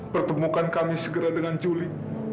pertemukan kami segera dengan juli